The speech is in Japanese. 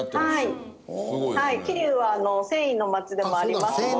はい桐生は繊維の街でもありますので。